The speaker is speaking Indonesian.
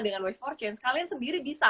dengan waste empat chains kalian sendiri bisa